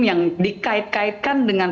yang dikait kaitkan dengan